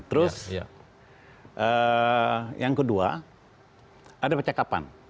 terus yang kedua ada percakapan